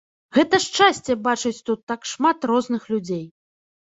Гэта шчасце бачыць тут так шмат розных людзей.